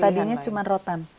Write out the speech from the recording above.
tadinya cuma rotan